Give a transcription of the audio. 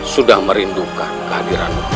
sudah merindukan kehadiran dinda